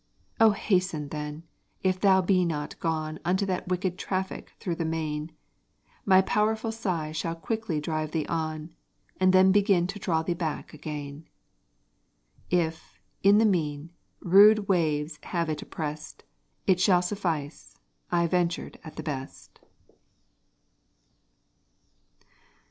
O hasten then! and if thou be not gone Unto that wicked traffic through the main, My powerful sigh shall quickly drive thee on, And then begin to draw thee back again. If, in the mean, rude waves have it opprest, It shall suffice, I ventured at the best.